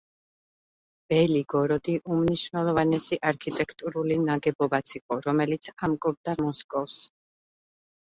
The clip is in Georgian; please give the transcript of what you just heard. ბელი-გოროდი უმნიშვნელოვანესი არქიტექტურული ნაგებობაც იყო, რომელიც ამკობდა მოსკოვს.